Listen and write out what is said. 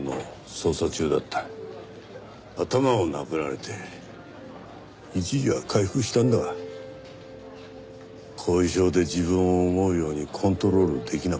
頭を殴られて一時は回復したんだが後遺症で自分を思うようにコントロールできなくなってな。